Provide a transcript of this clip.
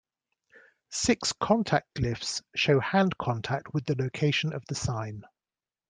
Six contact glyphs show hand contact with the location of the sign.